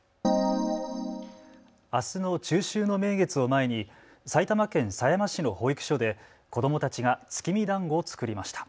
あすの中秋の名月を前に埼玉県狭山市の保育所で、子どもたちが月見だんごを作りました。